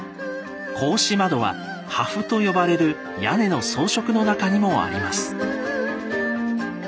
格子窓は「破風」と呼ばれる屋根の装飾の中にもあります。